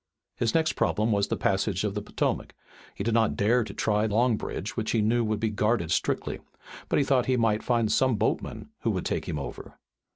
His next problem was the passage of the Potomac. He did not dare to try Long Bridge, which he knew would be guarded strictly, but he thought he might find some boatman who would take him over.